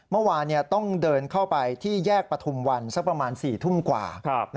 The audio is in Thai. เมื่อวานต้องเดินเข้าไปที่แยกปฐุมวันสักประมาณ๔ทุ่มกว่า